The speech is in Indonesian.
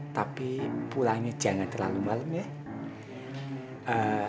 tapi pulangnya jangan terlalu malam ya